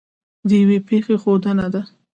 د یوې پېښې ښودنه